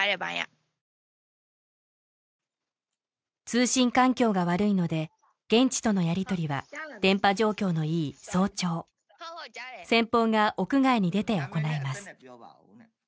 通信環境が悪いので現地とのやりとりは電波状況のいい早朝先方が屋外に出て行います